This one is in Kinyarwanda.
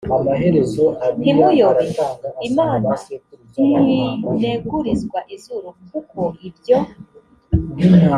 ntimuyobe imana ntinegurizwa izuru kuko ibyo